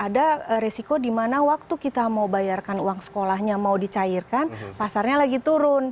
ada risiko dimana waktu kita mau bayarkan uang sekolahnya mau dicairkan pasarnya lagi turun